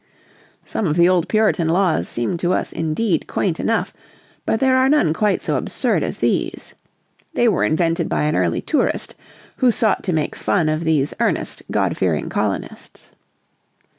Some of the old Puritan laws seem to us indeed quaint enough, but there are none quite so absurd as these. They were invented by an early "tourist," who sought to make fun of these earnest, God fearing colonists.